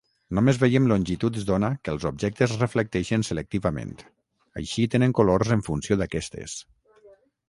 Només veiem longituds d'ona que els objectes reflecteixen selectivament; així tenen colors en funció d'aquestes.